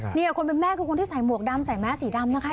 กันของแม่คือคนที่ใส่มวกดำใส่แม้สีดำ